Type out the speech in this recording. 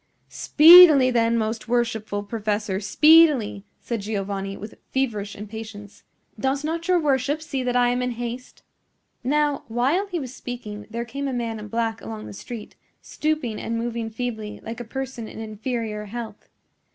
"Speedily, then, most worshipful professor, speedily," said Giovanni, with feverish impatience. "Does not your worship see that I am in haste?" Now, while he was speaking there came a man in black along the street, stooping and moving feebly like a person in inferior health.